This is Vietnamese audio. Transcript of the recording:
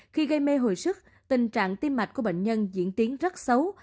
khi gây mê hồi sức tình trạng tim mạch của bệnh nhân diễn tiến rất xấu